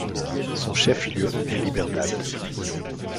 Son chef-lieu est Liberdad.